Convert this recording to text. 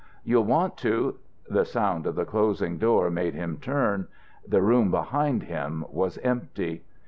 You'll want to " The sound of the closing door made him turn. The room behind him was empty.